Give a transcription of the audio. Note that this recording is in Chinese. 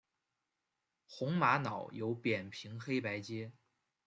红玛瑙有扁平黑白阶。